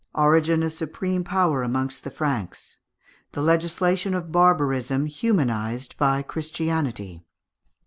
Origin of Supreme Power amongst the Franks. The Legislation of Barbarism humanised by Christianity.